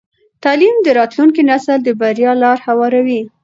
تعلیم د راتلونکي نسل د بریا لاره هواروي.